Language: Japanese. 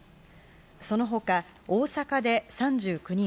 その他、大阪で３９人